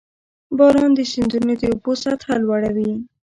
• باران د سیندونو د اوبو سطحه لوړوي.